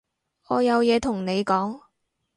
我有嘢同你講